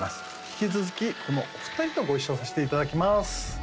引き続きこのお二人とご一緒さしていただきます